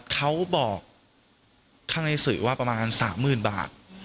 เขาบอกข้างในสื่อว่าประมาณ๓๐๐๐บาท